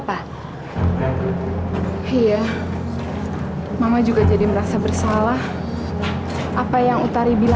pak sebentar ya